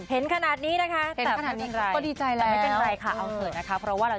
เห็นขนาดนี้นะคะ